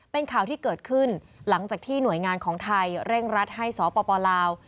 เป็นข่าวที่เกิดขึ้นหลังจากที่หน่วยงานของไทยเร่งรัดให้สปลาว